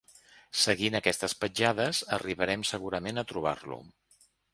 Seguint aquestes petjades arribarem segurament a trobar-lo.